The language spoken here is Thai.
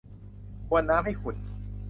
กวนน้ำให้ขุ่น